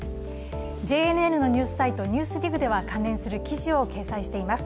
ＪＮＮのニュースサイトでは関連する記事を掲載しています。